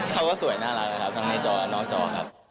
เขาก็สวยน่ารักนะครับทั้งในจอนอกจอครับ